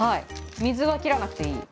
水は切らなくていい？